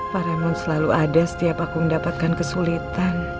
pak remon selalu ada setiap aku mendapatkan kesulitan